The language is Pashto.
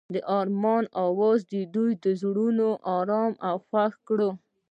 د آرمان اواز د دوی زړونه ارامه او خوښ کړل.